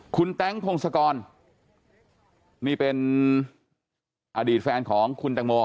คุณแต๊งพงศกรนี่เป็นอดีตแฟนของคุณตังโม